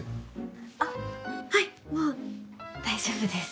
あっはいもう大丈夫です